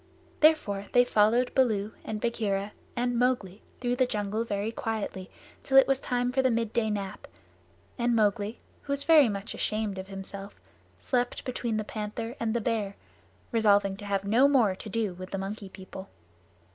Therefore they followed Baloo and Bagheera and Mowgli through the jungle very quietly till it was time for the midday nap, and Mowgli, who was very much ashamed of himself, slept between the Panther and the Bear, resolving to have no more to do with the Monkey People.